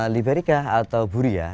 liberica atau buria